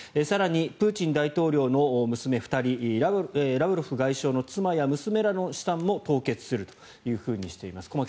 更に、プーチン大統領の娘２人ラブロフ外相の妻や娘らの資産も凍結するというふうにしています。